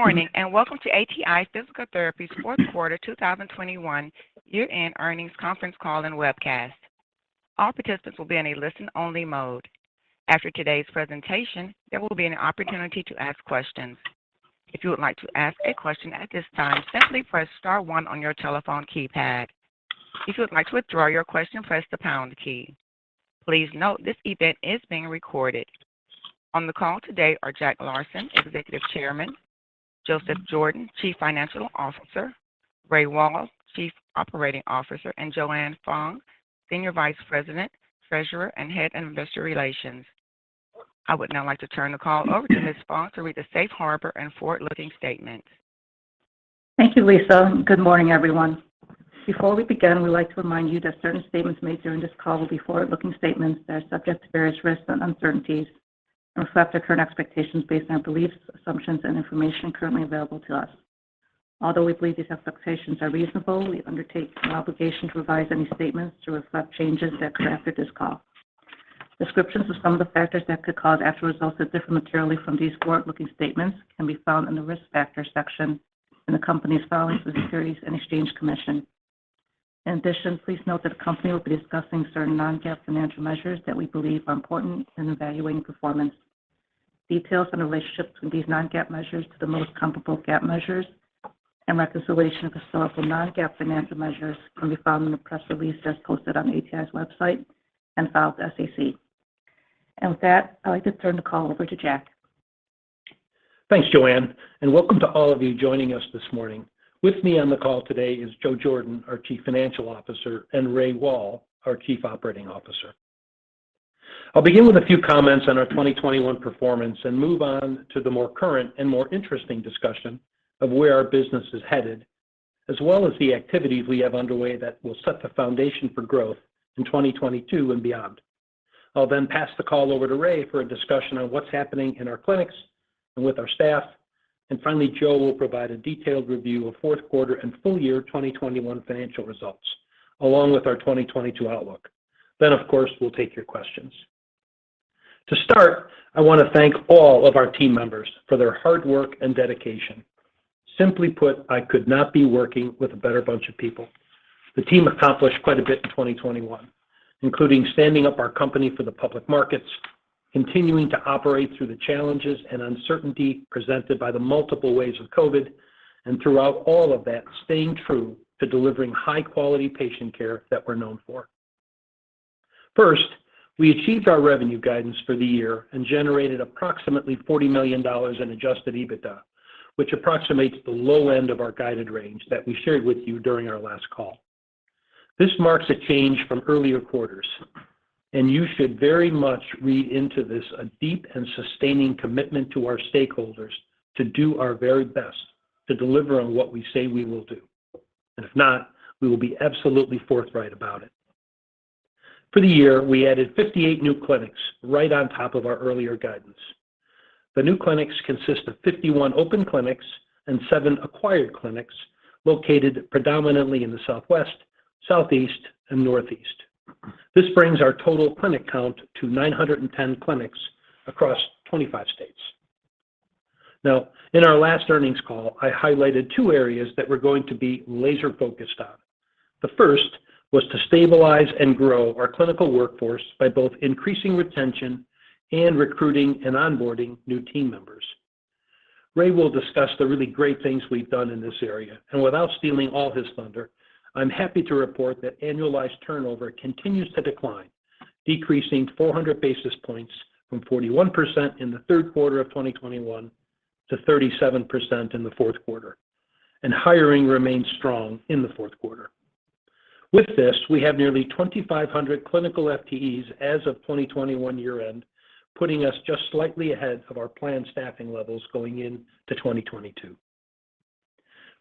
Good morning, and welcome to ATI Physical Therapy's Q4 2021 year-end earnings conference call and webcast. All participants will be in a listen-only mode. After today's presentation, there will be an opportunity to ask questions. If you would like to ask a question at this time, simply press star one on your telephone keypad. If you would like to withdraw your question, press the pound key. Please note this event is being recorded. On the call today are Jack Larsen, Executive Chairman, Joseph Jordan, Chief Financial Officer, Ray Wahl, Chief Operating Officer, and Joanne Fong, Senior Vice President, Treasurer, and Head of Investor Relations. I would now like to turn the call over to Ms. Fong to read the safe harbor and forward-looking statement. Thank you, Lisa. Good morning, everyone. Before we begin, we'd like to remind you that certain statements made during this call will be forward-looking statements that are subject to various risks and uncertainties and reflect our current expectations based on beliefs, assumptions, and information currently available to us. Although we believe these expectations are reasonable, we undertake no obligation to revise any statements to reflect changes that occur after this call. Descriptions of some of the factors that could cause actual results to differ materially from these forward-looking statements can be found in the Risk Factors section in the company's filings with the Securities and Exchange Commission. In addition, please note that the company will be discussing certain non-GAAP financial measures that we believe are important in evaluating performance. Details and relationships between these non-GAAP measures to the most comparable GAAP measures and reconciliation of historical non-GAAP financial measures can be found in the press release as posted on ATI's website and filed with the SEC. With that, I'd like to turn the call over to Jack. Thanks, Joanne, and welcome to all of you joining us this morning. With me on the call today is Joe Jordan, our Chief Financial Officer, and Ray Wahl, our Chief Operating Officer. I'll begin with a few comments on our 2021 performance and move on to the more current and more interesting discussion of where our business is headed, as well as the activities we have underway that will set the foundation for growth in 2022 and beyond. I'll then pass the call over to Ray for a discussion on what's happening in our clinics and with our staff. Finally, Joe will provide a detailed review of Q4 and full year 2021 financial results, along with our 2022 outlook. Of course, we'll take your questions. To start, I wanna thank all of our team members for their hard work and dedication. Simply put, I could not be working with a better bunch of people. The team accomplished quite a bit in 2021, including standing up our company for the public markets, continuing to operate through the challenges and uncertainty presented by the multiple waves of COVID, and throughout all of that, staying true to delivering high-quality patient care that we're known for. First, we achieved our revenue guidance for the year and generated approximately $40 million in adjusted EBITDA, which approximates the low end of our guided range that we shared with you during our last call. This marks a change from earlier quarters, and you should very much read into this a deep and sustaining commitment to our stakeholders to do our very best to deliver on what we say we will do. If not, we will be absolutely forthright about it. For the year, we added 58 new clinics right on top of our earlier guidance. The new clinics consist of 51 open clinics and 7 acquired clinics located predominantly in the Southwest, Southeast, and Northeast. This brings our total clinic count to 910 clinics across 25 states. Now, in our last earnings call, I highlighted two areas that we're going to be laser-focused on. The first was to stabilize and grow our clinical workforce by both increasing retention and recruiting and onboarding new team members. Ray will discuss the really great things we've done in this area, and without stealing all his thunder, I'm happy to report that annualized turnover continues to decline, decreasing 400 basis points from 41% in the Q3 of 2021 to 37% in the Q4, and hiring remains strong in the Q4. With this, we have nearly 2,500 clinical FTEs as of 2021 year-end, putting us just slightly ahead of our planned staffing levels going into 2022.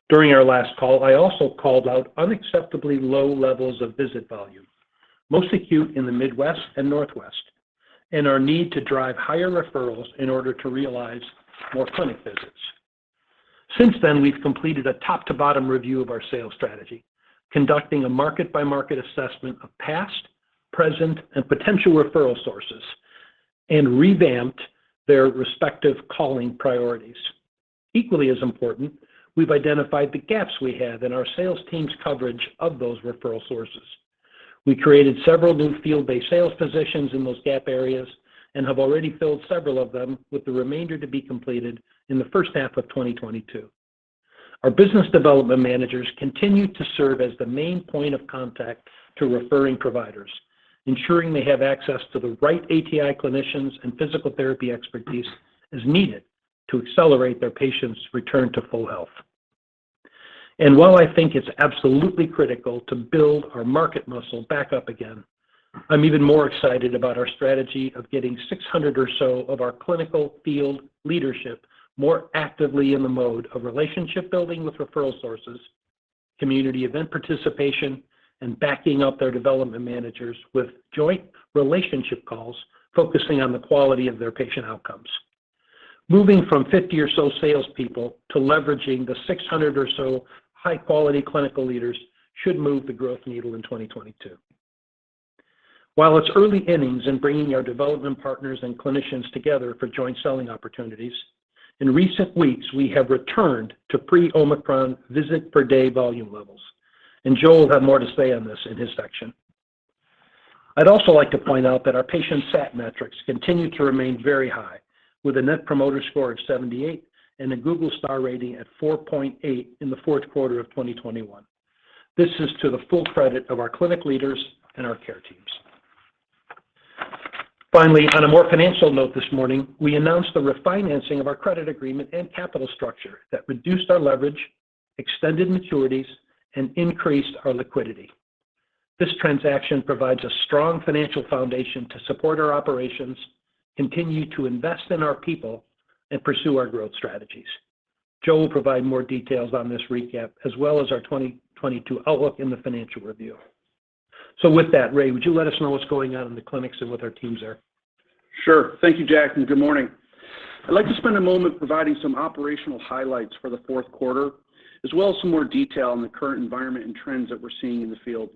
During our last call, I also called out unacceptably low levels of visit volume, most acute in the Midwest and Northwest, and our need to drive higher referrals in order to realize more clinic visits. Since then, we've completed a top-to-bottom review of our sales strategy, conducting a market-by-market assessment of past, present, and potential referral sources and revamped their respective calling priorities. Equally as important, we've identified the gaps we have in our sales team's coverage of those referral sources. We created several new field-based sales positions in those gap areas and have already filled several of them with the remainder to be completed in the first half of 2022. Our business development managers continue to serve as the main point of contact to referring providers, ensuring they have access to the right ATI clinicians and physical therapy expertise as needed to accelerate their patients' return to full health. While I think it's absolutely critical to build our market muscle back up again, I'm even more excited about our strategy of getting 600 or so of our clinical field leadership more actively in the mode of relationship building with referral sources, community event participation, and backing up their development managers with joint relationship calls focusing on the quality of their patient outcomes. Moving from 50 or so salespeople to leveraging the 600 or so high-quality clinical leaders should move the growth needle in 2022. While it's early innings in bringing our development partners and clinicians together for joint selling opportunities, in recent weeks, we have returned to pre-Omicron visit per day volume levels, and Joe will have more to say on this in his section. I'd also like to point out that our patient sat metrics continue to remain very high with a Net Promoter Score of 78 and a Google star rating at 4.8 in the Q4 of 2021. This is to the full credit of our clinic leaders and our care teams. Finally, on a more financial note this morning, we announced the refinancing of our credit agreement and capital structure that reduced our leverage, extended maturities, and increased our liquidity. This transaction provides a strong financial foundation to support our operations, continue to invest in our people, and pursue our growth strategies. Joe will provide more details on this recap as well as our 2022 outlook in the financial review. With that, Ray, would you let us know what's going on in the clinics and with our teams there? Sure. Thank you, Jack, and good morning. I'd like to spend a moment providing some operational highlights for the Q4 as well as some more detail on the current environment and trends that we're seeing in the field.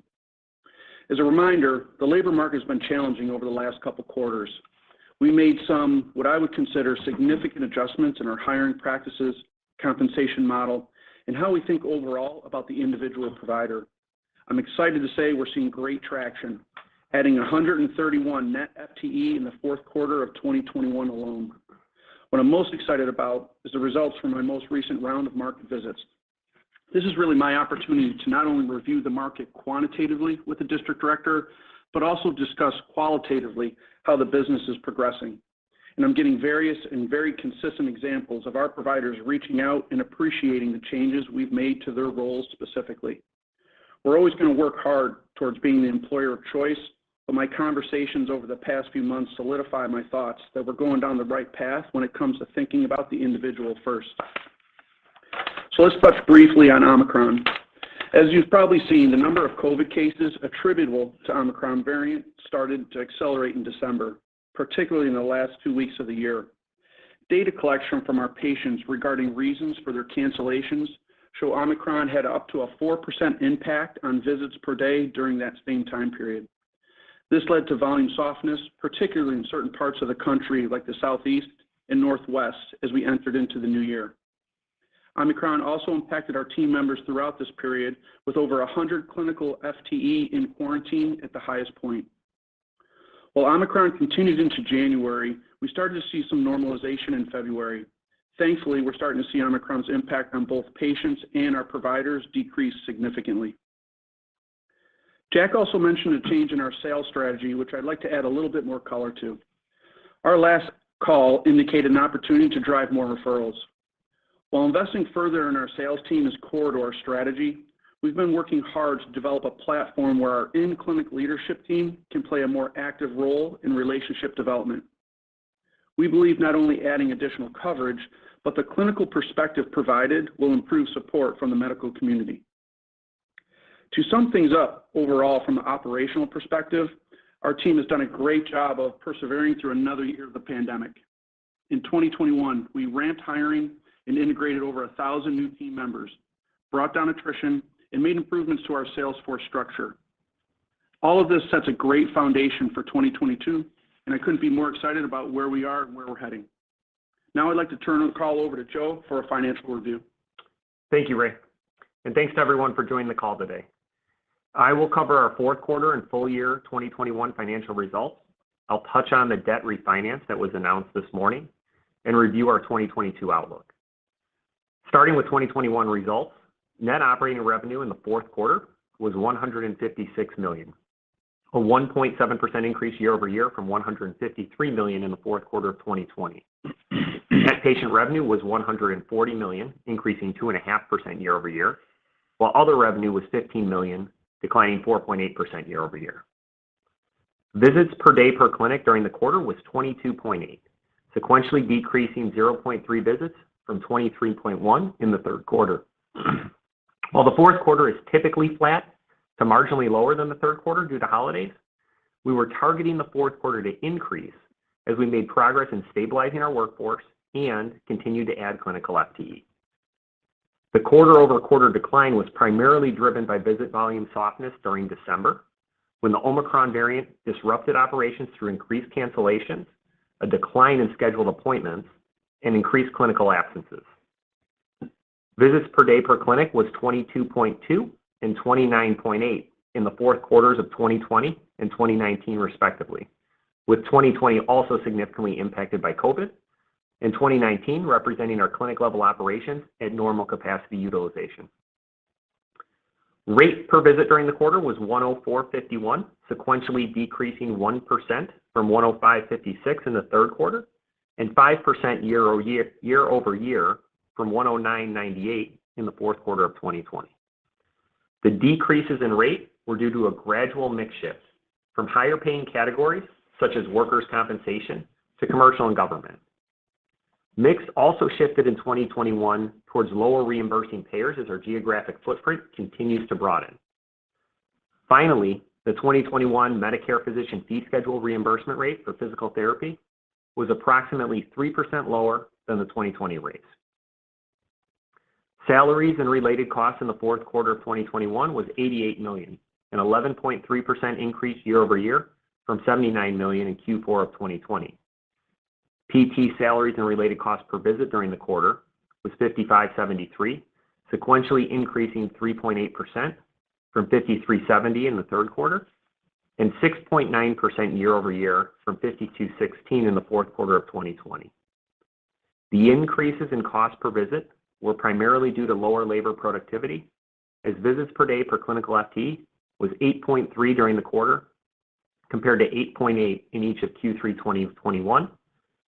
As a reminder, the labor market has been challenging over the last couple quarters. We made some, what I would consider, significant adjustments in our hiring practices, compensation model, and how we think overall about the individual provider. I'm excited to say we're seeing great traction, adding 131 net FTE in the Q4 of 2021 alone. What I'm most excited about is the results from my most recent round of market visits. This is really my opportunity to not only review the market quantitatively with the district director, but also discuss qualitatively how the business is progressing. I'm getting various and very consistent examples of our providers reaching out and appreciating the changes we've made to their roles specifically. We're always gonna work hard towards being the employer of choice, but my conversations over the past few months solidify my thoughts that we're going down the right path when it comes to thinking about the individual first. Let's touch briefly on Omicron. As you've probably seen, the number of COVID cases attributable to Omicron variant started to accelerate in December, particularly in the last two weeks of the year. Data collection from our patients regarding reasons for their cancellations show Omicron had up to a 4% impact on visits per day during that same time period. This led to volume softness, particularly in certain parts of the country like the Southeast and Northwest as we entered into the new year. Omicron also impacted our team members throughout this period with over 100 clinical FTE in quarantine at the highest point. While Omicron continued into January, we started to see some normalization in February. Thankfully, we're starting to see Omicron's impact on both patients and our providers decrease significantly. Jack also mentioned a change in our sales strategy, which I'd like to add a little bit more color to. Our last call indicated an opportunity to drive more referrals. While investing further in our sales team is core to our strategy, we've been working hard to develop a platform where our in-clinic leadership team can play a more active role in relationship development. We believe not only adding additional coverage, but the clinical perspective provided will improve support from the medical community. To sum things up overall from the operational perspective, our team has done a great job of persevering through another year of the pandemic. In 2021, we ramped hiring and integrated over 1,000 new team members, brought down attrition, and made improvements to our sales force structure. All of this sets a great foundation for 2022, and I couldn't be more excited about where we are and where we're heading. Now I'd like to turn the call over to Joe for a financial review. Thank you, Ray. Thanks to everyone for joining the call today. I will cover our Q4 and full year 2021 financial results. I'll touch on the debt refinance that was announced this morning and review our 2022 outlook. Starting with 2021 results, net operating revenue in the Q4 was $156 million, a 1.7% increase year-over-year from $153 million in the Q4 of 2020. Net patient revenue was $140 million, increasing 2.5% year-over-year, while other revenue was $15 million, declining 4.8% year-over-year. Visits per day per clinic during the quarter was 22.8, sequentially decreasing 0.3 visits from 23.1 in the Q3. While the Q4 is typically flat to marginally lower than the Q3 due to holidays, we were targeting the Q4 to increase as we made progress in stabilizing our workforce and continued to add clinical FTE. The quarter-over-quarter decline was primarily driven by visit volume softness during December when the Omicron variant disrupted operations through increased cancellations, a decline in scheduled appointments, and increased clinical absences. Visits per day per clinic was 22.2 and 29.8 in the Q4 of 2020 and 2019 respectively, with 2020 also significantly impacted by COVID, and 2019 representing our clinic level operations at normal capacity utilization. Rate per visit during the quarter was $104.51, sequentially decreasing 1% from $105.56 in the Q3 and 5% year-over-year from $109.98 in the Q4 of 2020. The decreases in rate were due to a gradual mix shift from higher paying categories such as workers' compensation to commercial and government. Mix also shifted in 2021 towards lower reimbursing payers as our geographic footprint continues to broaden. Finally, the 2021 Medicare physician fee schedule reimbursement rate for physical therapy was approximately 3% lower than the 2020 rates. Salaries and related costs in the Q4 of 2021 was $88 million, an 11.3% increase year-over-year from $79 million in Q4 of 2020. PT salaries and related costs per visit during the quarter was $55.73, sequentially increasing 3.8% from $53.70 in the Q3, and 6.9% year-over-year from $52.16 in the Q4 of 2020. The increases in cost per visit were primarily due to lower labor productivity as visits per day per clinical FTE was 8.3 during the quarter compared to 8.8 in each of Q3 2021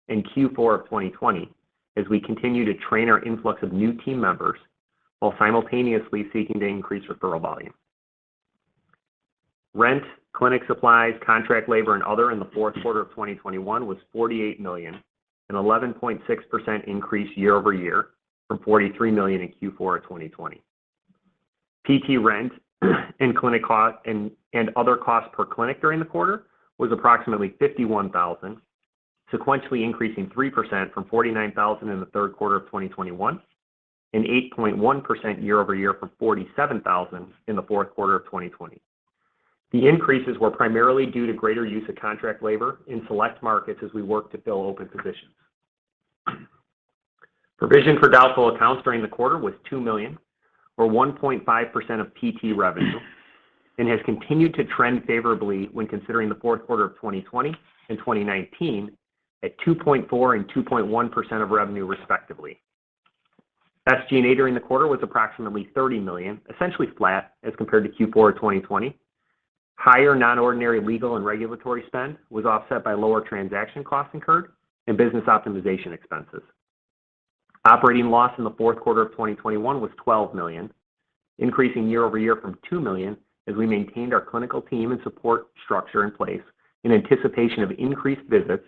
and Q4 of 2020 as we continue to train our influx of new team members while simultaneously seeking to increase referral volume. Rent, clinic supplies, contract labor, and other in the Q4 of 2021 was $48 million, an 11.6% increase year-over-year from $43 million in Q4 of 2020. PT rent and clinic costs and other costs per clinic during the quarter was approximately $51,000, sequentially increasing 3% from $49,000 in the Q3 of 2021 and 8.1% year-over-year from $47,000 in the Q4 of 2020. The increases were primarily due to greater use of contract labor in select markets as we work to fill open positions. Provision for doubtful accounts during the quarter was $2 million or 1.5% of PT revenue and has continued to trend favorably when considering the Q4 of 2020 and 2019 at 2.4% and 2.1% of revenue, respectively. SG&A during the quarter was approximately $30 million, essentially flat as compared to Q4 of 2020. Higher non-ordinary legal and regulatory spend was offset by lower transaction costs incurred and business optimization expenses. Operating loss in the Q4 of 2021 was $12 million, increasing year-over-year from $2 million as we maintained our clinical team and support structure in place in anticipation of increased visits,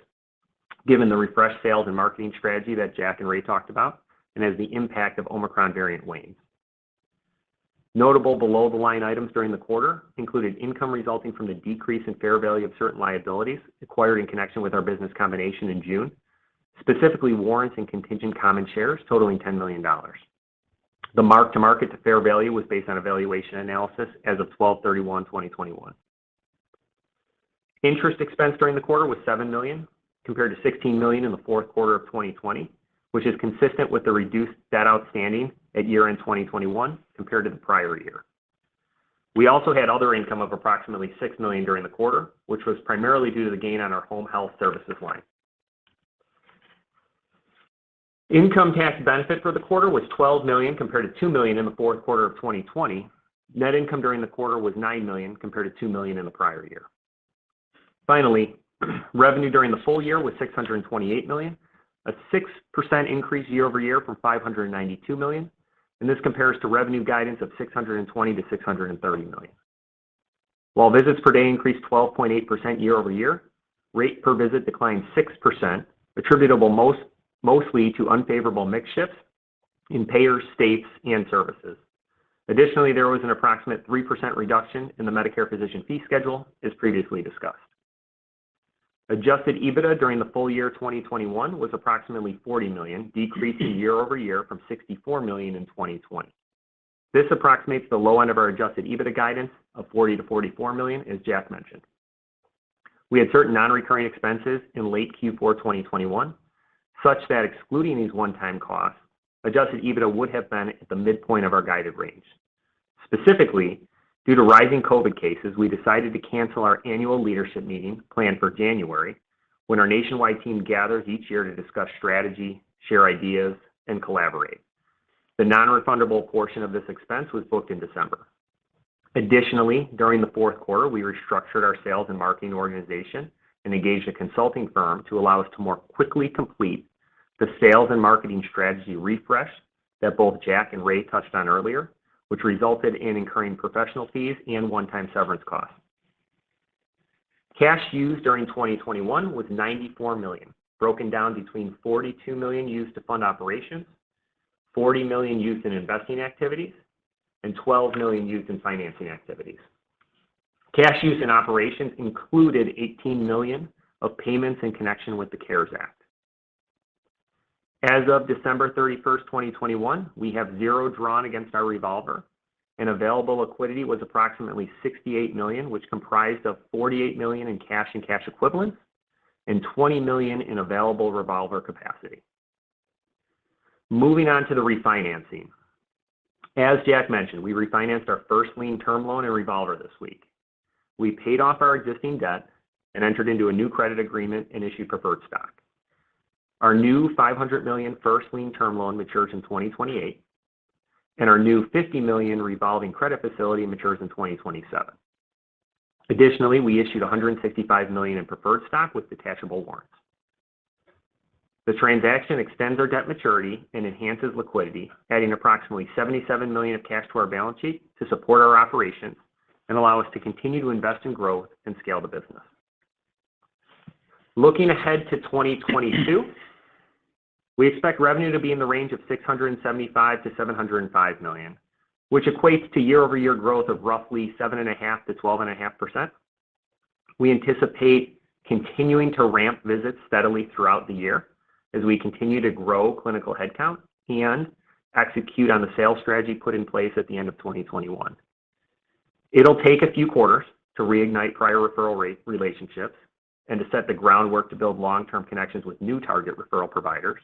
given the refresh sales and marketing strategy that Jack and Ray talked about and as the impact of Omicron variant wanes. Notable below-the-line items during the quarter included income resulting from the decrease in fair value of certain liabilities acquired in connection with our business combination in June, specifically warrants and contingent common shares totaling $10 million. The mark-to-market to fair value was based on a valuation analysis as of 12/31/2021. Interest expense during the quarter was $7 million compared to $16 million in the Q4 of 2020, which is consistent with the reduced debt outstanding at year-end 2021 compared to the prior year. We also had other income of approximately $6 million during the quarter, which was primarily due to the gain on our home health services line. Income tax benefit for the quarter was $12 million compared to $2 million in the Q4 of 2020. Net income during the quarter was $9 million compared to $2 million in the prior year. Finally, revenue during the full year was $628 million, a 6% increase year-over-year from $592 million, and this compares to revenue guidance of $620 million-$630 million. While visits per day increased 12.8% year-over-year, rate per visit declined 6% attributable mostly to unfavorable mix shifts in payer states and services. Additionally, there was an approximate 3% reduction in the Medicare physician fee schedule, as previously discussed. Adjusted EBITDA during the full year 2021 was approximately $40 million, decreasing year-over-year from $64 million in 2020. This approximates the low end of our adjusted EBITDA guidance of $40 million-$44 million, as Jack mentioned. We had certain non-recurring expenses in late Q4 2021, such that excluding these one-time costs, adjusted EBITDA would have been at the midpoint of our guided range. Specifically, due to rising COVID cases, we decided to cancel our annual leadership meeting planned for January when our nationwide team gathers each year to discuss strategy, share ideas and collaborate. The non-refundable portion of this expense was booked in December. Additionally, during the Q4, we restructured our sales and marketing organization and engaged a consulting firm to allow us to more quickly complete the sales and marketing strategy refresh that both Jack and Ray touched on earlier, which resulted in incurring professional fees and one-time severance costs. Cash used during 2021 was $94 million, broken down between $42 million used to fund operations, $40 million used in investing activities, and $12 million used in financing activities. Cash used in operations included $18 million of payments in connection with the CARES Act. As of December 31, 2021, we have 0 drawn against our revolver and available liquidity was approximately $68 million, which comprised of $48 million in cash and cash equivalents and $20 million in available revolver capacity. Moving on to the refinancing. As Jack mentioned, we refinanced our first lien term loan and revolver this week. We paid off our existing debt and entered into a new credit agreement and issued preferred stock. Our new $500 million first lien term loan matures in 2028, and our new $50 million revolving credit facility matures in 2027. Additionally, we issued $165 million in preferred stock with detachable warrants. The transaction extends our debt maturity and enhances liquidity, adding approximately $77 million of cash to our balance sheet to support our operations and allow us to continue to invest in growth and scale the business. Looking ahead to 2022, we expect revenue to be in the range of $675 million-$705 million, which equates to year-over-year growth of roughly 7.5%-12.5%. We anticipate continuing to ramp visits steadily throughout the year as we continue to grow clinical headcount and execute on the sales strategy put in place at the end of 2021. It'll take a few quarters to reignite prior referral re-relationships and to set the groundwork to build long-term connections with new target referral providers.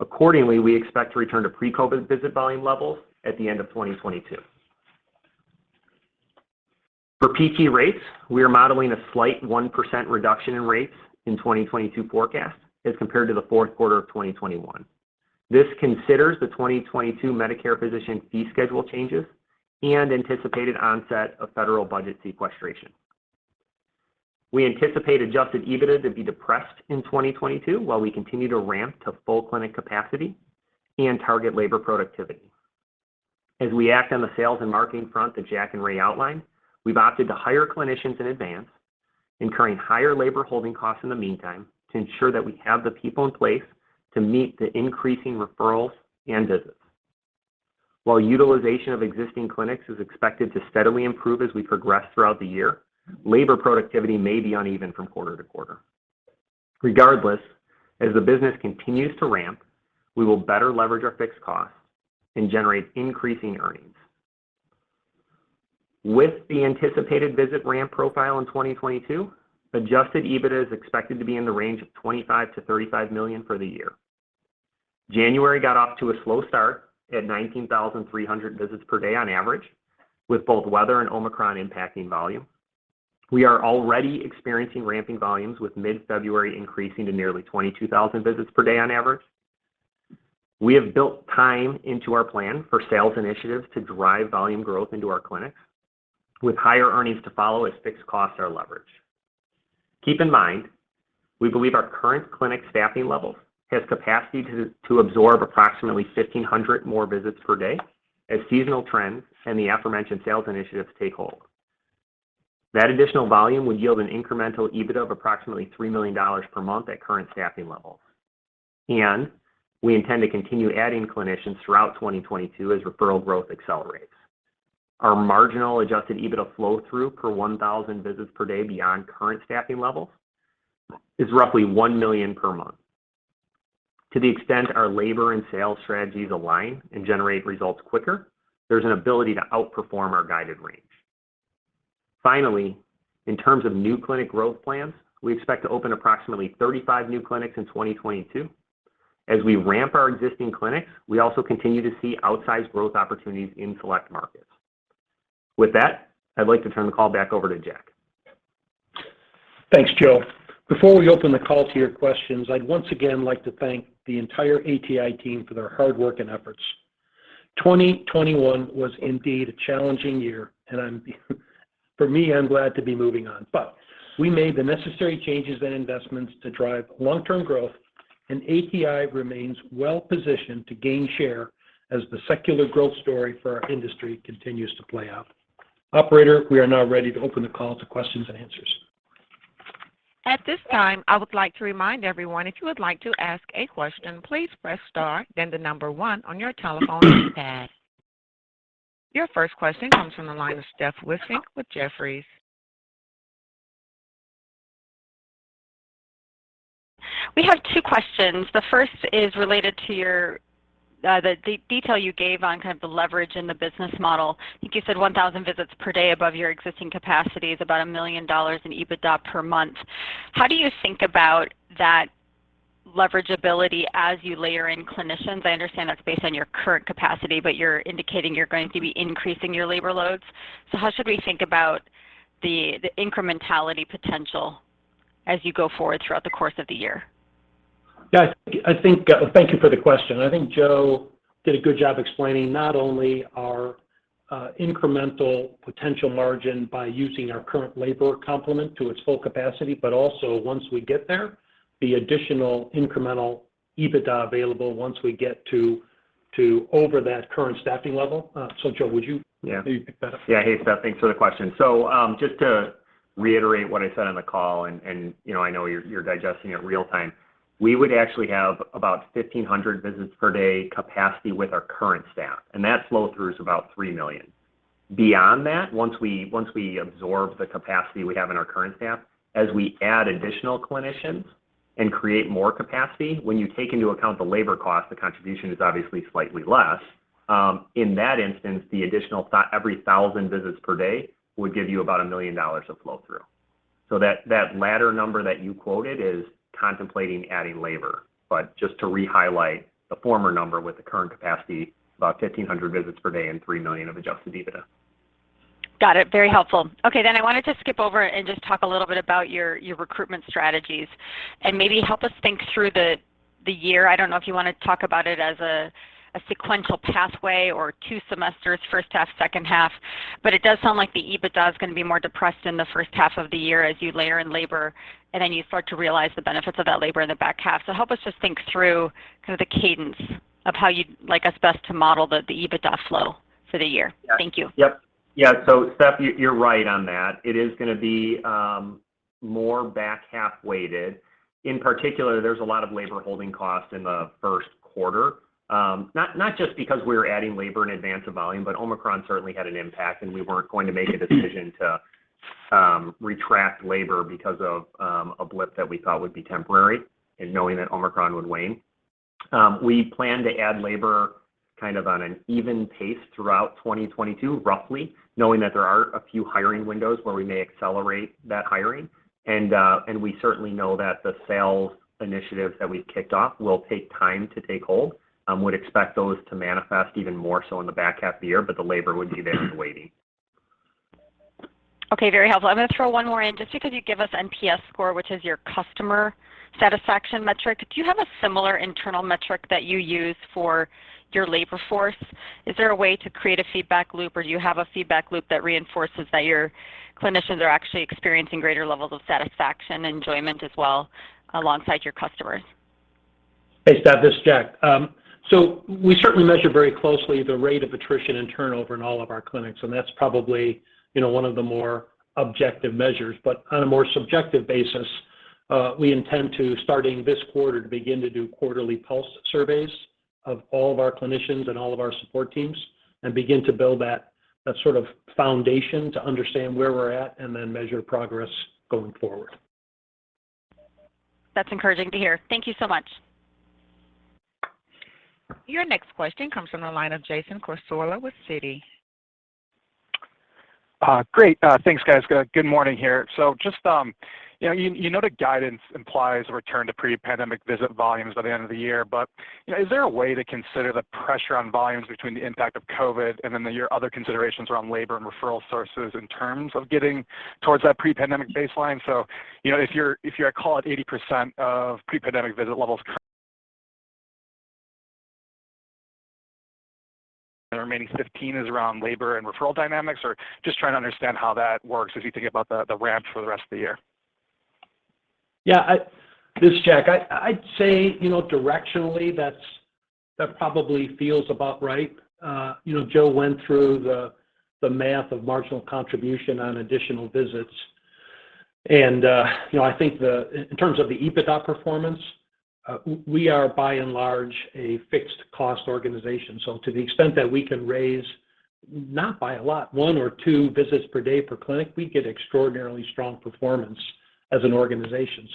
Accordingly, we expect to return to pre-COVID visit volume levels at the end of 2022. For PT rates, we are modeling a slight 1% reduction in rates in 2022 forecast as compared to the Q3 of 2021. This considers the 2022 Medicare physician fee schedule changes and anticipated onset of federal budget sequestration. We anticipate adjusted EBITDA to be depressed in 2022 while we continue to ramp to full clinic capacity and target labor productivity. As we act on the sales and marketing front that Jack and Ray outlined, we've opted to hire clinicians in advance, incurring higher labor holding costs in the meantime to ensure that we have the people in place to meet the increasing referrals and visits. While utilization of existing clinics is expected to steadily improve as we progress throughout the year, labor productivity may be uneven from quarter to quarter. Regardless, as the business continues to ramp, we will better leverage our fixed costs and generate increasing earnings. With the anticipated visit ramp profile in 2022, adjusted EBITDA is expected to be in the range of $25 million-$35 million for the year. January got off to a slow start at 19,300 visits per day on average, with both weather and Omicron impacting volume. We are already experiencing ramping volumes, with mid-February increasing to nearly 22,000 visits per day on average. We have built time into our plan for sales initiatives to drive volume growth into our clinics, with higher earnings to follow as fixed costs are leveraged. Keep in mind, we believe our current clinic staffing levels has capacity to absorb approximately 1,500 more visits per day as seasonal trends and the aforementioned sales initiatives take hold. That additional volume would yield an incremental EBITDA of approximately $3 million per month at current staffing levels. We intend to continue adding clinicians throughout 2022 as referral growth accelerates. Our marginal adjusted EBITDA flow-through per 1,000 visits per day beyond current staffing levels is roughly $1 million per month. To the extent our labor and sales strategies align and generate results quicker, there's an ability to outperform our guided range. Finally, in terms of new clinic growth plans, we expect to open approximately 35 new clinics in 2022. As we ramp our existing clinics, we also continue to see outsized growth opportunities in select markets. With that, I'd like to turn the call back over to Jack. Thanks, Joe. Before we open the call to your questions, I'd once again like to thank the entire ATI team for their hard work and efforts. 2021 was indeed a challenging year, and for me, I'm glad to be moving on. We made the necessary changes and investments to drive long-term growth, and ATI remains well positioned to gain share as the secular growth story for our industry continues to play out. Operator, we are now ready to open the call to questions and answers. At this time, I would like to remind everyone if you would like to ask a question, please press star, then 1 on your telephone keypad. Your first question comes from the line of Steph Wissink with Jefferies. We have two questions. The first is related to the detail you gave on kind of the leverage in the business model. I think you said 1,000 visits per day above your existing capacity is about $1 million in EBITDA per month. How do you think about that leverage ability as you layer in clinicians? I understand that's based on your current capacity, but you're indicating you're going to be increasing your labor loads. How should we think about the incrementality potential as you go forward throughout the course of the year? Yeah, I think, thank you for the question. I think Joe did a good job explaining not only our incremental potential margin by using our current labor complement to its full capacity, but also once we get there, the additional incremental EBITDA available once we get to over that current staffing level. So Joe, would you- Yeah. Maybe pick that up? Yeah. Hey, Steph, thanks for the question. Just to reiterate what I said on the call and I know you're digesting it real time, we would actually have about 1,500 visits per day capacity with our current staff. That flow-through is about $3 million. Beyond that, once we absorb the capacity we have in our current staff, as we add additional clinicians and create more capacity, when you take into account the labor cost, the contribution is obviously slightly less. In that instance, the additional every 1,000 visits per day would give you about $1 million of flow-through. That latter number that you quoted is contemplating adding labor. Just to re-highlight the former number with the current capacity, about 1,500 visits per day and $3 million of adjusted EBITDA. Got it. Very helpful. Okay, then I wanted to skip over and just talk a little bit about your recruitment strategies and maybe help us think through the year. I don't know if you wanna talk about it as a sequential pathway or two semesters, first half, second half, but it does sound like the EBITDA is gonna be more depressed in the first half of the year as you layer in labor, and then you start to realize the benefits of that labor in the back half. Help us just think through kind of the cadence of how you'd like us best to model the EBITDA flow for the year. Yeah. Thank you. Yep. Yeah. Steph, you're right on that. It is gonna be. More back half weighted. In particular, there's a lot of labor holding costs in the Q1. Not just because we're adding labor in advance of volume, but Omicron certainly had an impact, and we weren't going to make a decision to retract labor because of a blip that we thought would be temporary, and knowing that Omicron would wane. We plan to add labor kind of on an even pace throughout 2022, roughly, knowing that there are a few hiring windows where we may accelerate that hiring. We certainly know that the sales initiatives that we've kicked off will take time to take hold. We would expect those to manifest even more so in the back half of the year, but the labor would be there waiting. Okay, very helpful. I'm gonna throw one more in. Just because you give us NPS score, which is your customer satisfaction metric, do you have a similar internal metric that you use for your labor force? Is there a way to create a feedback loop, or do you have a feedback loop that reinforces that your clinicians are actually experiencing greater levels of satisfaction, enjoyment as well alongside your customers? Hey, Steph, this is Jack. We certainly measure very closely the rate of attrition and turnover in all of our clinics, and that's probably one of the more objective measures. On a more subjective basis, we intend to, starting this quarter, to begin to do quarterly pulse surveys of all of our clinicians and all of our support teams and begin to build that sort of foundation to understand where we're at and then measure progress going forward. That's encouraging to hear. Thank you so much. Your next question comes from the line of Jason Cassorla with Citi. Great. Thanks, guys. Good morning here. Just you know the guidance implies a return to pre-pandemic visit volumes by the end of the year. But is there a way to consider the pressure on volumes between the impact of COVID and then your other considerations around labor and referral sources in terms of getting towards that pre-pandemic baseline? You know, if you're at, call it 80% of pre-pandemic visit levels the remaining 15% is around labor and referral dynamics, or just trying to understand how that works as you think about the ramp for the rest of the year. Yeah. This is Jack. I'd say directionally that's probably feels about right. You know, Joe went through the math of marginal contribution on additional visits. You know, I think. In terms of the EBITDA performance, we are by and large a fixed cost organization. To the extent that we can raise, not by a lot, 1 or 2 visits per day per clinic, we get extraordinarily strong performance as an organization.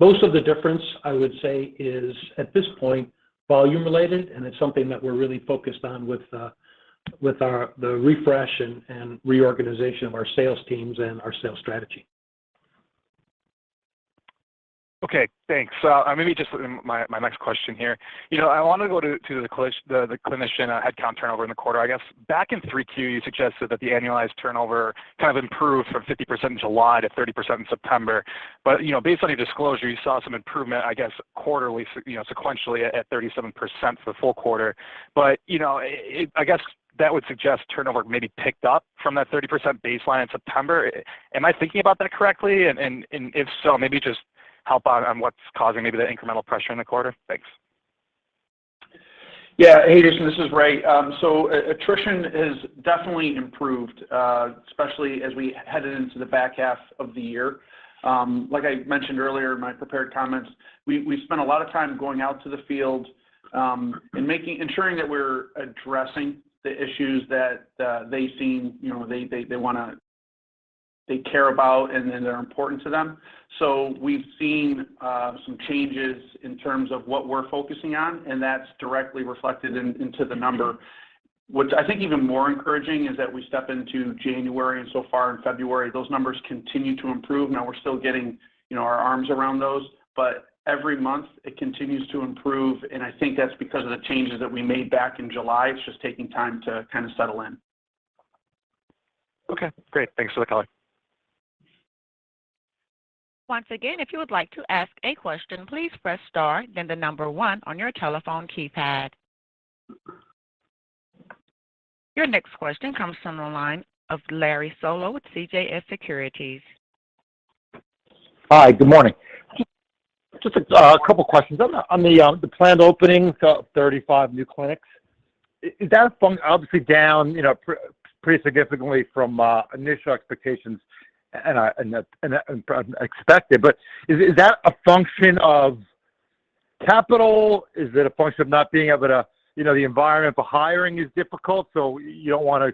Most of the difference I would say is at this point volume related, and it's something that we're really focused on with the refresh and reorganization of our sales teams and our sales strategy. Okay, thanks. Maybe just my next question here. You know, I want to go to the clinician headcount turnover in the quarter, I guess. Back in Q3, you suggested that the annualized turnover kind of improved from 50% in July to 30% in September. You know, based on your disclosure, you saw some improvement, I guess, quarterly sequentially at 37% for the full quarter. You know, I guess that would suggest turnover maybe picked up from that 30% baseline in September. Am I thinking about that correctly? If so, maybe just help out on what's causing maybe the incremental pressure in the quarter. Thanks. Yeah. Hey, Jason, this is Ray. Attrition has definitely improved, especially as we headed into the back half of the year. Like I mentioned earlier in my prepared comments, we spent a lot of time going out to the field, and ensuring that we're addressing the issues that they seem they wanna they care about and that are important to them. We've seen some changes in terms of what we're focusing on, and that's directly reflected into the number. What I think even more encouraging is that we step into January and so far in February, those numbers continue to improve. Now we're still getting our arms around those. Every month it continues to improve, and I think that's because of the changes that we made back in July. It's just taking time to kind of settle in. Okay, great. Thanks for the color. Once again, if you would like to ask a question, please press star then the number one on your telephone keypad. Your next question comes from the line of Larry Solow with CJS Securities. Hi, good morning. Just a couple questions. On the planned openings of 35 new clinics, is that obviously down pretty significantly from initial expectations and expected. Is that a function of capital? Is it a function of not being able to the environment for hiring is difficult, so you don't wanna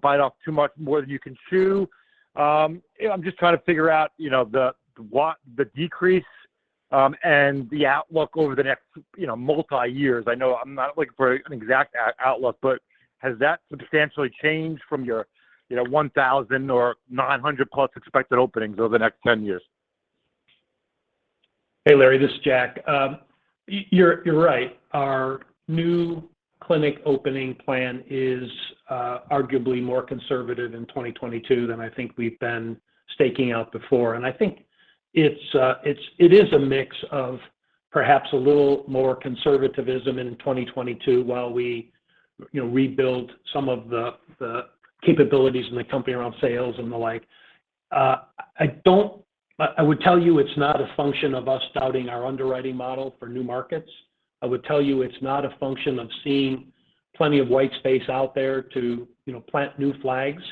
bite off too much more than you can chew? You know, I'm just trying to figure out the decrease and the outlook over the next multi years. I know I'm not looking for an exact outlook, but has that substantially changed from your 1,000 or 900 plus expected openings over the next 10 years? Hey, Larry, this is Jack. You're right. Our new clinic opening plan is arguably more conservative in 2022 than I think we've been staking out before. I think it's a mix of perhaps a little more conservatism in 2022 while we rebuild some of the capabilities in the company around sales and the like. I would tell you it's not a function of us doubting our underwriting model for new markets. I would tell you it's not a function of seeing plenty of white space out there to plant new flags.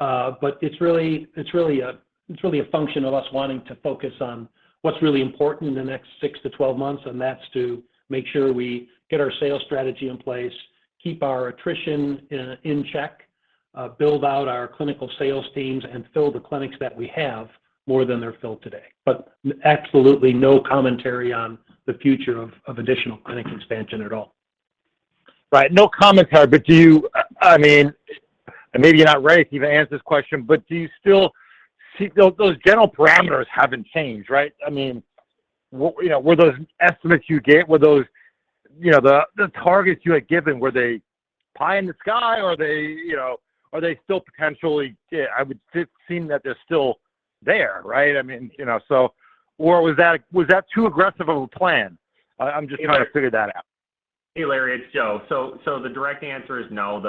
It's really a function of us wanting to focus on what's really important in the next 6 to 12 months, and that's to make sure we get our sales strategy in place, keep our attrition in check, build out our clinical sales teams, and fill the clinics that we have more than they're filled today. Absolutely no commentary on the future of additional clinic expansion at all. Right. No commentary, but I mean, maybe you're not ready to even answer this question, but do you still see those general parameters haven't changed, right? I mean were those estimates you gave, were those the targets you had given, were they pie in the sky? Or are they still potentially? It would seem that they're still there, right? I mean or was that too aggressive of a plan? I'm just trying to figure that out. Hey, Larry, it's Joe. The direct answer is no.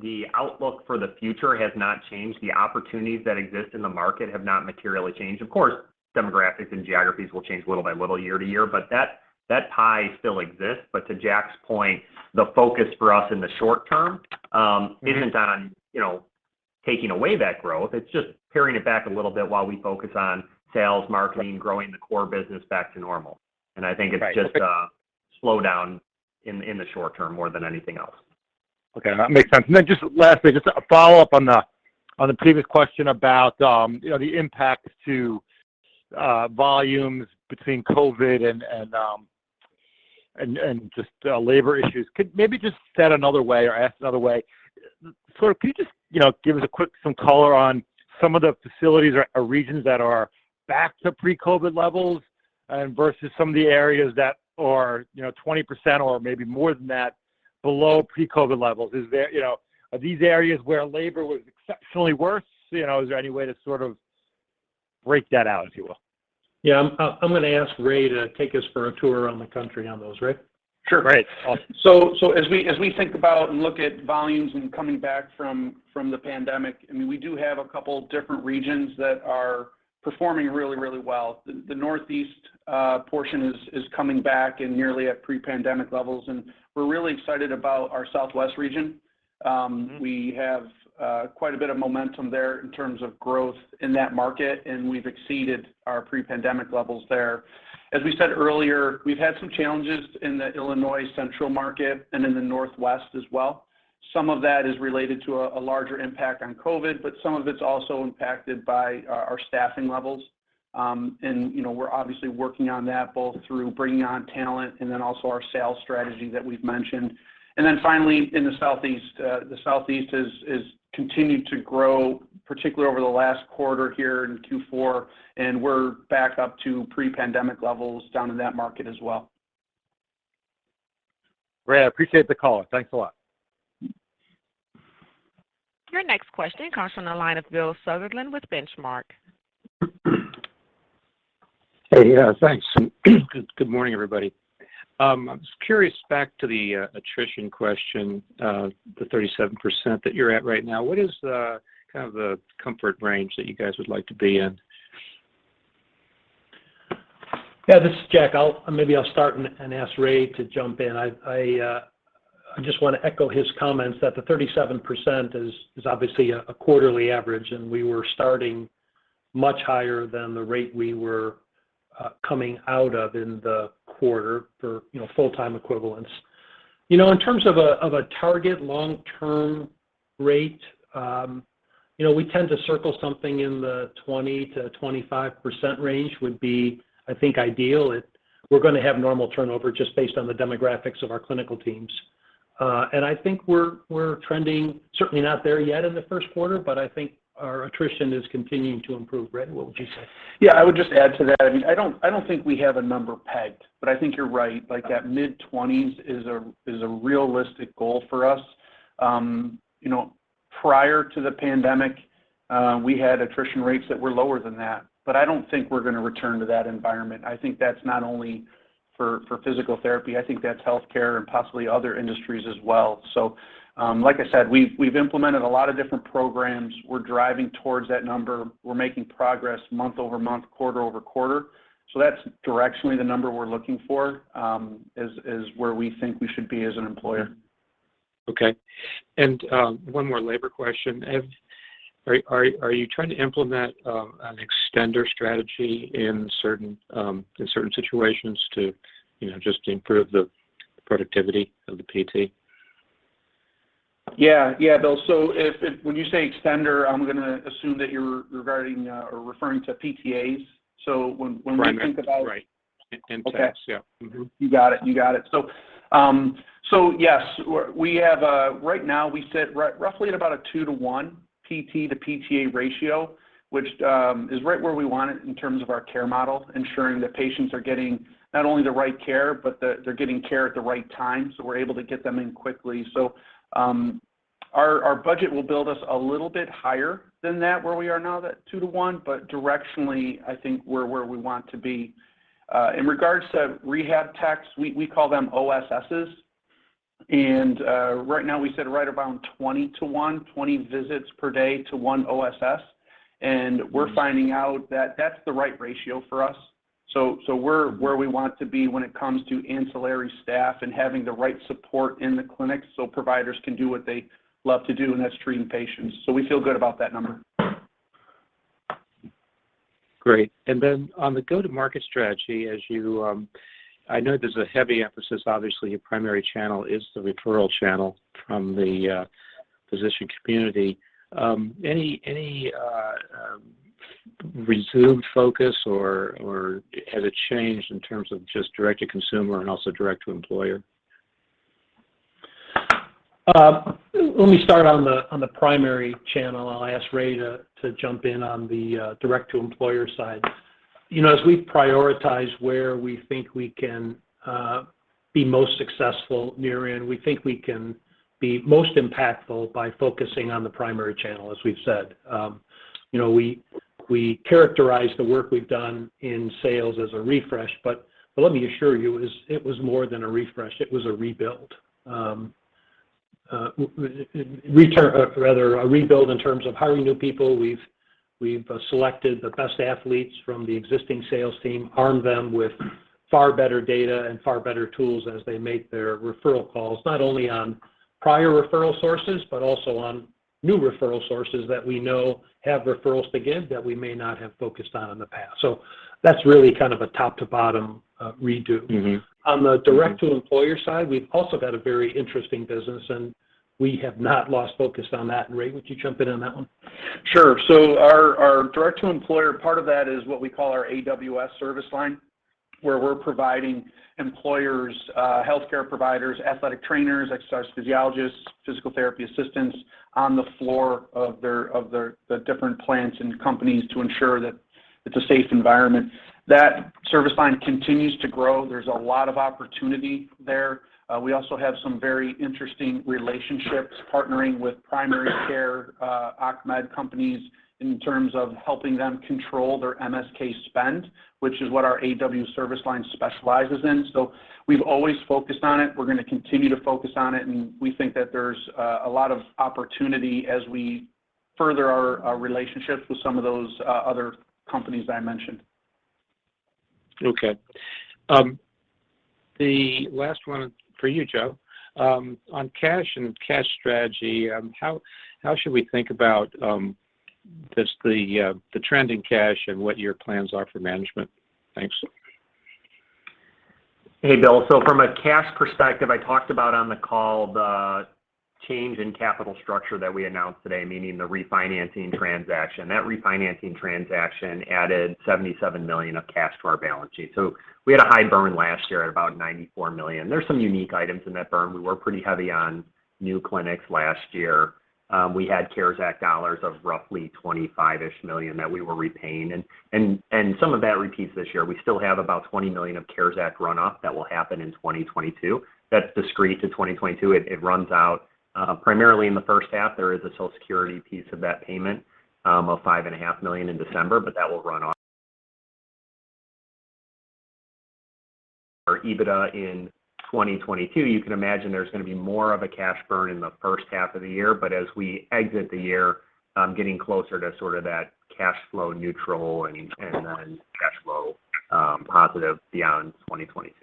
The outlook for the future has not changed. The opportunities that exist in the market have not materially changed. Of course, demographics and geographies will change little by little year to year, but that pie still exists. To Jack's point, the focus for us in the short term isn't on taking away that growth. It's just paring it back a little bit while we focus on sales, marketing, growing the core business back to normal, and I think it's just a slowdown in the short term more than anything else. Okay. That makes sense. Then just lastly, just a follow-up on the previous question about the impact to volumes between COVID and labor issues. Maybe just said another way or asked another way. Sort of can you just give us a quick some color on some of the facilities or regions that are back to pre-COVID levels and versus some of the areas that are 20% or maybe more than that below pre-COVID levels? Is there, you know? Are these areas where labor was exceptionally worse? You know, is there any way to sort of break that out, if you will? Yeah. I'm gonna ask Ray to take us for a tour around the country on those. Ray? Sure. Great. Awesome. As we think about and look at volumes and coming back from the pandemic, I mean, we do have a couple different regions that are performing really well. The Northeast portion is coming back and nearly at pre-pandemic levels, and we're really excited about our southwest region. Mm-hmm We have quite a bit of momentum there in terms of growth in that market, and we've exceeded our pre-pandemic levels there. As we said earlier, we've had some challenges in the central Illinois market and in the Northwest as well. Some of that is related to a larger impact on COVID, but some of it's also impacted by our staffing levels. You know, we're obviously working on that both through bringing on talent and then also our sales strategy that we've mentioned. Then finally, in the Southeast, the Southeast is continued to grow, particularly over the last quarter here in Q4, and we're back up to pre-pandemic levels down in that market as well. Ray, I appreciate the color. Thanks a lot. Your next question comes from the line of Bill Sutherland with Benchmark. Hey. Yeah. Thanks. Good morning, everybody. I was curious back to the attrition question, the 37% that you're at right now. What is the kind of comfort range that you guys would like to be in? Yeah. This is Jack. Maybe I'll start and ask Ray to jump in. I just wanna echo his comments that the 37% is obviously a quarterly average, and we were starting much higher than the rate we were coming out of in the quarter for full-time equivalents. You know, in terms of a target long-term rate we tend to circle something in the 20%-25% range would be, I think, ideal. We're gonna have normal turnover just based on the demographics of our clinical teams. I think we're trending certainly not there yet in the first quarter, but I think our attrition is continuing to improve. Ray, what would you say? Yeah. I would just add to that. I mean, I don't think we have a number pegged, but I think you're right. Like, that mid-20s is a realistic goal for us. You know, prior to the pandemic, we had attrition rates that were lower than that, but I don't think we're gonna return to that environment. I think that's not only for physical therapy. I think that's healthcare and possibly other industries as well. Like I said, we've implemented a lot of different programs. We're driving towards that number. We're making progress month-over-month, quarter-over-quarter. That's directionally the number we're looking for, is where we think we should be as an employer. Okay. One more labor question. Are you trying to implement an extender strategy in certain situations to just improve the productivity of the PT? Yeah. Yeah, Bill. When you say extender, I'm gonna assume that you're referring to PTAs. When we think about- Right. Techs. Yeah. Mm-hmm. Okay. You got it. Yes. We have a right now we sit roughly at about a 2-to-1 PT to PTA ratio, which is right where we want it in terms of our care model, ensuring that patients are getting not only the right care, but they're getting care at the right time, so we're able to get them in quickly. Our budget will build us a little bit higher than that, where we are now, that 2-to-1, but directionally, I think we're where we want to be. In regards to rehab techs, we call them OSSs, and right now we sit right around 20-to-1, 20 visits per day to 1 OSS, and we're finding out that that's the right ratio for us. We're where we want to be when it comes to ancillary staff and having the right support in the clinic so providers can do what they love to do, and that's treating patients. We feel good about that number. Great. On the go-to-market strategy, as you, I know there's a heavy emphasis, obviously, your primary channel is the referral channel from the physician community, any resumed focus or has it changed in terms of just direct to consumer and also direct to employer? Let me start on the primary channel. I'll ask Ray to jump in on the direct to employer side. You know, as we prioritize where we think we can be most successful near-term, we think we can be most impactful by focusing on the primary channel, as we've said. You know, we characterize the work we've done in sales as a refresh, but let me assure you, it was more than a refresh. It was a rebuild in terms of hiring new people. We've selected the best athletes from the existing sales team, armed them with far better data and far better tools as they make their referral calls, not only on prior referral sources, but also on new referral sources that we know have referrals to give that we may not have focused on in the past. That's really kind of a top to bottom redo. Mm-hmm. On the direct to employer side, we've also got a very interesting business, and we have not lost focus on that. Ray, would you jump in on that one? Sure. Our direct to employer, part of that is what we call our AWS service line, where we're providing employers, healthcare providers, athletic trainers, exercise physiologists, physical therapy assistants on the floor of their the different plants and companies to ensure that it's a safe environment. That service line continues to grow. There's a lot of opportunity there. We also have some very interesting relationships partnering with primary care, occ-med companies in terms of helping them control their MSK spend, which is what our AWS service line specializes in. We've always focused on it. We're gonna continue to focus on it, and we think that there's a lot of opportunity as we further our relationships with some of those other companies I mentioned. Okay. The last one for you, Joe. On cash and cash strategy, how should we think about just the trending cash and what your plans are for management? Thanks. Hey, Bill. From a cash perspective, I talked about on the call the change in capital structure that we announced today, meaning the refinancing transaction. That refinancing transaction added $77 million of cash to our balance sheet. We had a high burn last year at about $94 million. There's some unique items in that burn. We were pretty heavy on new clinics last year. We had CARES Act dollars of roughly 25-ish million that we were repaying. Some of that repeats this year. We still have about $20 million of CARES Act runoff that will happen in 2022. That's discrete to 2022. It runs out primarily in the first half. There is a Social Security piece of that payment of $5.5 million in December, but that will run on for EBITDA in 2022. You can imagine there's gonna be more of a cash burn in the first half of the year, but as we exit the year, getting closer to sort of that cash flow neutral and then cash flow positive beyond 2022.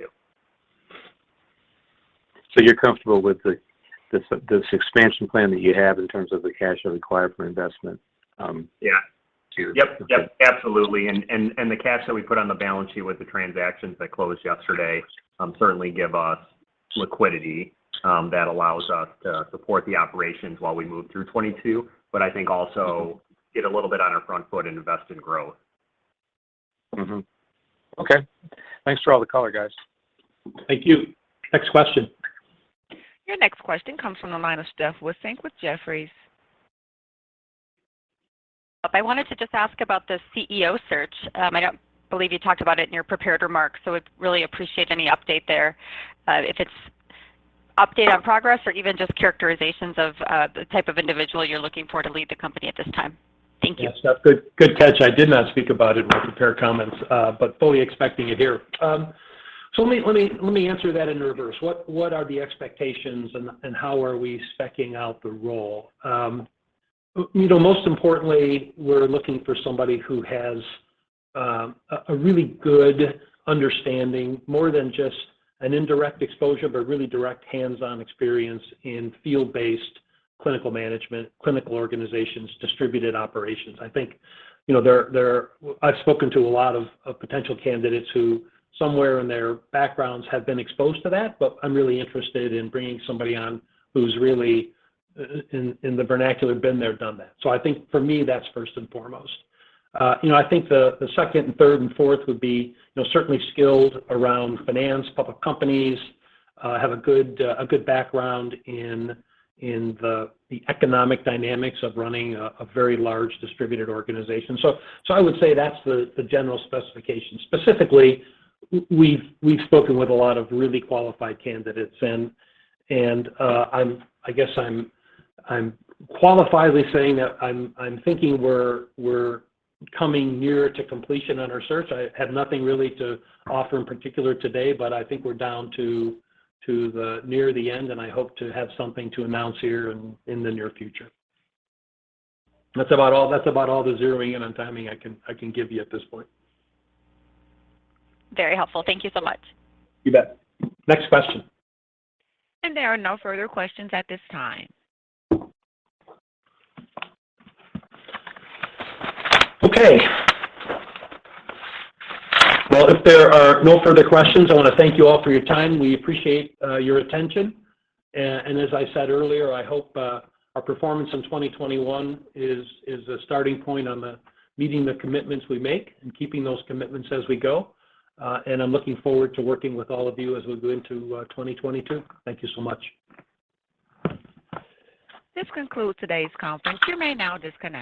You're comfortable with this expansion plan that you have in terms of the cash required for investment? Yeah. To- Yep, absolutely. The cash that we put on the balance sheet with the transactions that closed yesterday certainly give us liquidity that allows us to support the operations while we move through 2022, but I think also get a little bit on our front foot and invest in growth. Mm-hmm. Okay. Thanks for all the color, guys. Thank you. Next question. Your next question comes from the line of Steph Wissink with Jefferies. I wanted to just ask about the CEO search. I don't believe you talked about it in your prepared remarks, so would really appreciate any update there, if it's update on progress or even just characterizations of, the type of individual you're looking for to lead the company at this time. Thank you. Yeah, Steph, good catch. I did not speak about it in my prepared comments, but fully expecting it here. Let me answer that in reverse. What are the expectations and how are we speccing out the role? You know, most importantly, we're looking for somebody who has a really good understanding, more than just an indirect exposure, but really direct hands-on experience in field-based clinical management, clinical organizations, distributed operations. I think I've spoken to a lot of potential candidates who somewhere in their backgrounds have been exposed to that, but I'm really interested in bringing somebody on who's really in the vernacular been there, done that. I think for me, that's first and foremost. You know, I think the second and third and fourth would be certainly skilled around finance, public companies, have a good background in the economic dynamics of running a very large distributed organization. I would say that's the general specification. Specifically, we've spoken with a lot of really qualified candidates and I guess I'm qualifiedly saying that I'm thinking we're coming nearer to completion on our search. I have nothing really to offer in particular today, but I think we're down to near the end, and I hope to have something to announce here in the near future. That's about all the zeroing in on timing I can give you at this point. Very helpful. Thank you so much. You bet. Next question. There are no further questions at this time. Okay. Well, if there are no further questions, I wanna thank you all for your time. We appreciate your attention. As I said earlier, I hope our performance in 2021 is a starting point on the meeting the commitments we make and keeping those commitments as we go. I'm looking forward to working with all of you as we go into 2022. Thank you so much. This concludes today's conference. You may now disconnect.